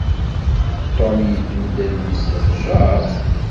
Tom yeddem-d adlis seg leqjer?